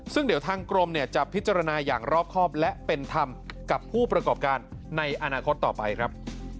ซึ่งเดี๋ยวทางกรมเนี่ยจะพิจารณาอย่างรอบครอบและเป็นธรรมกับผู้ประกอบการในอนาคตต่อไปครับ